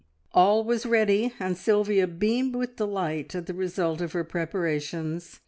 All was ready, and Sylvia beamed with delight at the result of her preparations.